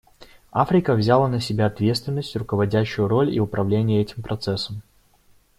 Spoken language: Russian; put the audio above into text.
Африка взяла на себя ответственность, руководящую роль и управление этим процессом.